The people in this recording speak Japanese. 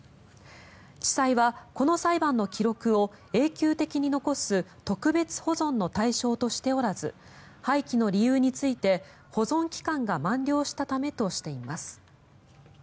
地裁は、この裁判の記録を永久的に残す特別保存の対象としておらず廃棄の理由について、保存期間が満了したためとしています。